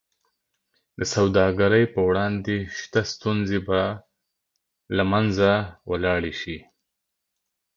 د سوداګرۍ پر وړاندې شته ستونزې به له منځه ولاړې شي.